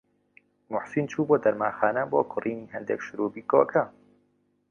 موحسین چوو بۆ دەرمانخانە بۆ کڕینی هەندێک شرووبی کۆکە.